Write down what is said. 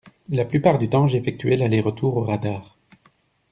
La plupart du temps, j’effectuais l’aller-retour au radar.